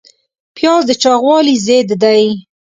پیاز د چاغوالي ضد دی